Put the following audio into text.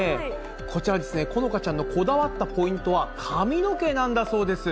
こちら、このかちゃんのこだわったポイントは、髪の毛なんだそうです。